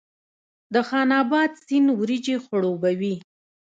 د خان اباد سیند وریجې خړوبوي